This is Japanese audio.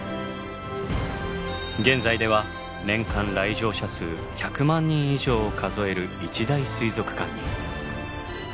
現在では年間来場者数１００万人以上を数える一大水族館に。